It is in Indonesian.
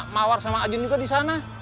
mawar sama ajun juga di sana